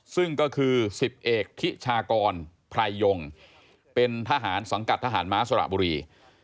ซึ่งก็คือ๑๐เอกทิชากรไพรยงเป็นทหารสังกัดทหารม้าสระบุรี